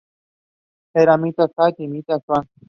Era mitad hakka y mitad zhuang.